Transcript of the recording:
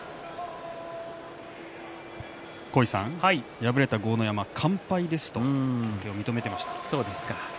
敗れた豪ノ山は完敗ですと負けを認めていました。